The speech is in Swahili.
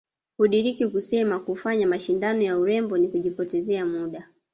Hudiriki kusema kufanya mashindano ya urembo ni kujipoteza muda